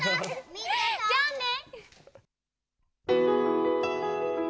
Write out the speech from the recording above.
じゃあね。